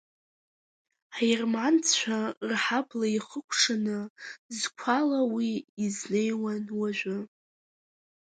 Аерманцәа рҳабла иахыкәшаны зқәала уи изнеиуан уажәы.